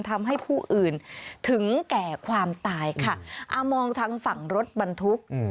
ทำให้ผู้อื่นถึงแก่ความตายค่ะอ่ามองทางฝั่งรถบรรทุก